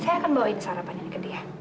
saya mau bawa sarapan ini ke dia